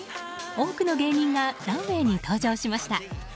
多くの芸人がランウェーに登場しました。